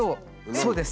そうです。